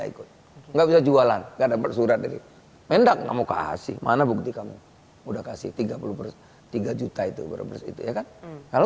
ikut nggak bisa jualan karena bersurah dari mendang kamu kasih mana bukti kamu udah kasih